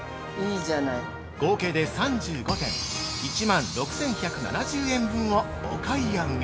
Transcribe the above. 合計で３５点、１万６１７０円分をお買い上げ！